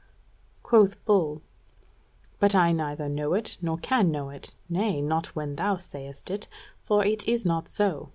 Quoth Bull: "But I neither know it, nor can know it, nay, not when thou sayest it; for it is not so.